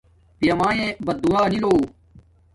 پیامانے بددعا نی لو